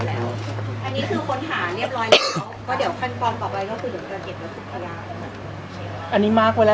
สวัสดีครับ